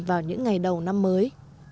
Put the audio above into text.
vào những ngày đầu năm mới